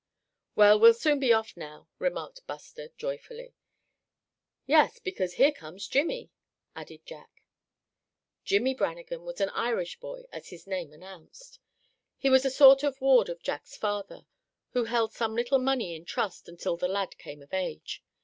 "Well, we'll soon be off now," remarked Buster, joyfully. "Yes, because there comes Jimmie," added Jack. Jimmie Brannagan was an Irish boy, as his name announced. He was a sort of ward of Jack's father, who held some little money in trust until the lad came of age.